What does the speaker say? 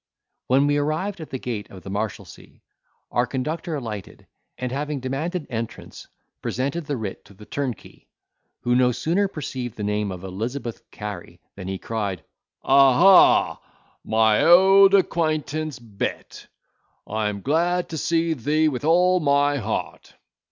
When we arrived at the gate of the Marshalsea, our conductor alighted, and having demanded entrance, presented the writ to the turnkey, who no sooner perceived the name of Elizabeth Cary than he cried, "Ah, ah: my old acquaintance Bet! I'm glad to see thee with all my heart."